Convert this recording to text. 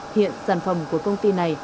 hiện sản phẩm của công ty này